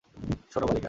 শুনো, বালিকা।